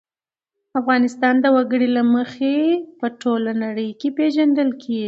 افغانستان د وګړي له مخې په ټوله نړۍ کې پېژندل کېږي.